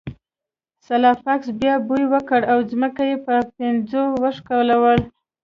سلای فاکس بیا بوی وکړ او ځمکه یې په پنجو وښکوله